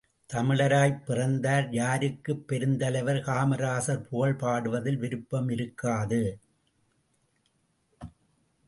தமிழராய்ப் பிறந்தார் யாருக்கு பெருந்தலைவர் காமராசர் புகழ் பாடுவதில் விருப்பம் இருக்காது?